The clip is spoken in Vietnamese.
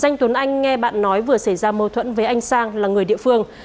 danh tuấn anh nghe bạn nói vừa xảy ra mâu thuẫn với anh sang là người địa phương